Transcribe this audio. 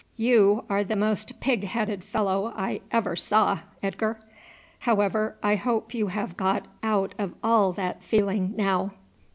"You are the most pig headed fellow I ever saw, Edgar. However, I hope you have got out of all that feeling now."